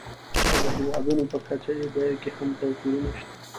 او د هېوادونو په کچه یې بیو کې هم توپیرونه شته.